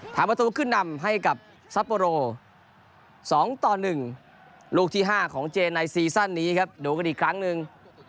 ทำประตูขึ้นนำให้กับซัปโปโร๒ต่อ๑ลูกที่๕ของเจนในซีซั่นนี้ครับดูกันอีกครั้งหนึ่ง